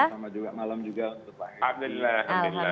selamat malam juga pak habib